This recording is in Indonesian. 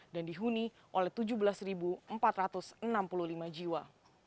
dan dihuni oleh tujuh belas empat ratus enam puluh lima jiwa